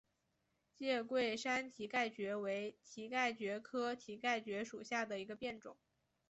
介贵山蹄盖蕨为蹄盖蕨科蹄盖蕨属下的一个变种。